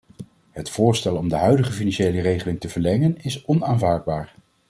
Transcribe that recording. Het voorstel om de huidige financiële regeling te verlengen is onaanvaardbaar.